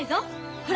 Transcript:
ほら。